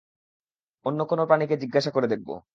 অন্য কোনো প্রাণীকে জিজ্ঞাসা করে দেখব।